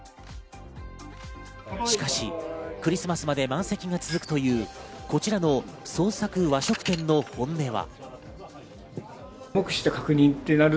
しかしクリスマスまで満席が続くというこちらの創作和食店の本音は。